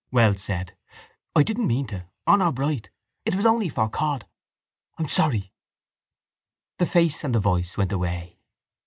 Wells said: —I didn't mean to, honour bright. It was only for cod. I'm sorry. The face and the voice went away.